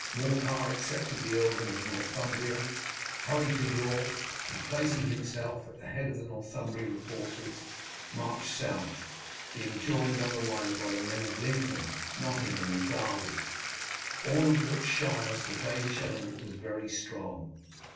Morcar accepted the earldom of Northumbria, hurried to York, and placing himself at the head of the Northumbrian forces, marched south, being joined on the way by the men of Lincoln, Nottingham, and Derby, in all of which shires the Danish element was very strong.